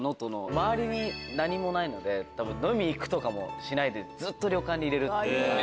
周りに何もないので飲みに行くとかもしないでずっと旅館にいれる。